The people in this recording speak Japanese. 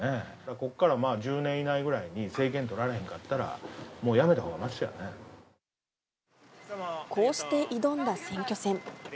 ここからまあ１０年以内ぐらいに、政権取られへんかったら、もうやこうして挑んだ選挙戦。